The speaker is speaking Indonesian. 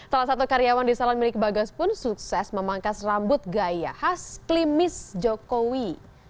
salah satu karyawan di salon milik bagas pun sukses memangkas rambut gaya khas klimis jokowi